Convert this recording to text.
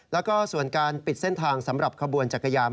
แล้วก็ส่วนการปิดเส้นทางสำหรับขบวนจักรยาน